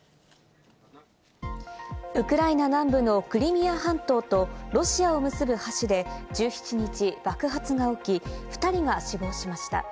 ウクライナ南部のクリミア半島とロシアを結ぶ橋で１７日、爆発が起き、２人が死亡しました。